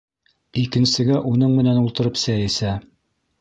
Икенсегә уның менән ултырып сәй эсә.